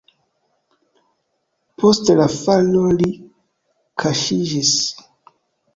Post la falo li kaŝiĝis.